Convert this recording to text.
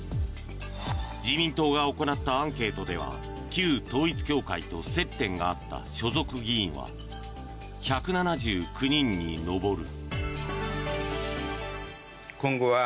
自民党が行ったアンケートでは旧統一教会と接点があった所属議員は１７９人に上る。